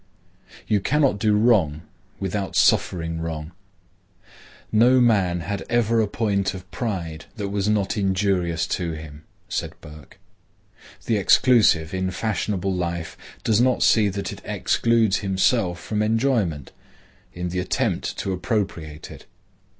You cannot do wrong without suffering wrong. "No man had ever a point of pride that was not injurious to him," said Burke. The exclusive in fashionable life does not see that he excludes himself from enjoyment, in the attempt to appropriate it.